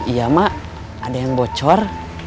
iya mak ada yang bocor